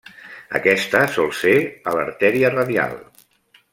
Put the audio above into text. Aquesta sol ser a l'artèria radial.